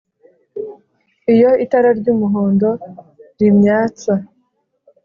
Iyo itara ry'umuhondo rimyatsa